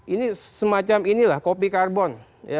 ini semacam inilah kopi karbon